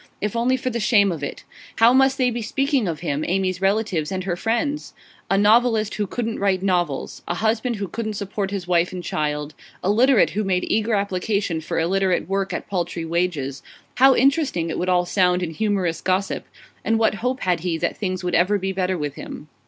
If only for the shame of it! How must they be speaking of him, Amy's relatives, and her friends? A novelist who couldn't write novels; a husband who couldn't support his wife and child; a literate who made eager application for illiterate work at paltry wages how interesting it would all sound in humorous gossip! And what hope had he that things would ever be better with him?